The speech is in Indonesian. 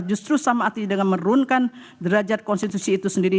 justru sama artinya dengan menurunkan derajat konstitusi itu sendiri